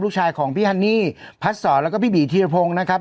ลูกชายของพี่ที่พักษ์สอแล้วก็พี่บีเทียรพงส์นะครับ